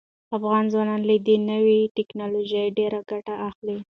افغان ځوانان له دې نوې ټیکنالوژۍ ډیره ګټه اخلي.